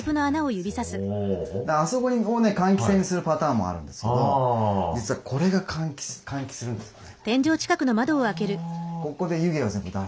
あそこにこうね換気扇にするパターンもあるんですけど実はこれが換気するんですよね。